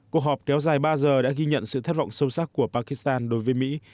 cuộc họp kéo dài ba giờ đã ghi nhận sự thất vọng sâu sắc của pakistan đối với mỹ